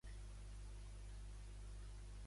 A quins déus s'atribueix?